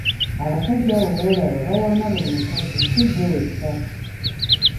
Abasajja abo b’olaba bawaana buli mukazi si ggwe wekka.